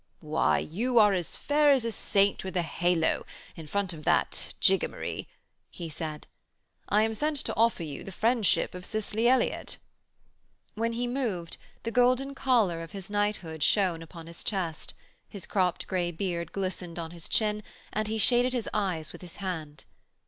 'Why, you are as fair as a saint with a halo, in front of that jigamaree,' he said. 'I am sent to offer you the friendship of Cicely Elliott.' When he moved, the golden collar of his knighthood shone upon his chest; his cropped grey beard glistened on his chin, and he shaded his eyes with his hand.